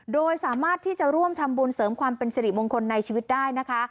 โดยสามารถที่จะร่วมทำบุญเสริมความเป็นสิริมงคลในชีวิตได้นะคะ